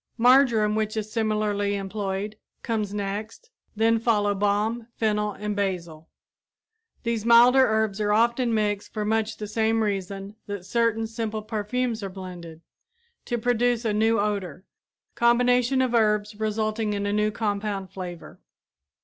Marjoram, which is similarly employed, comes next, then follow balm, fennel, and basil. These milder herbs are often mixed for much the same reason that certain simple perfumes are blended to produce a new odor combinations of herbs resulting in a new compound flavor.